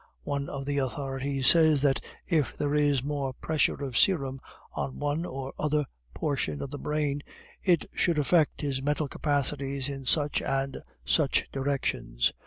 One of the authorities says that if there is more pressure of serum on one or other portion of the brain, it should affect his mental capacities in such and such directions.